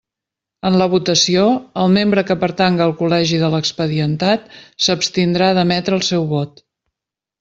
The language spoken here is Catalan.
En la votació, el membre que pertanga al col·legi de l'expedientat, s'abstindrà d'emetre el seu vot.